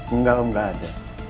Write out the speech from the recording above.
enggak om gak ada